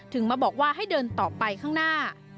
มาบอกว่าให้เดินต่อไปข้างหน้า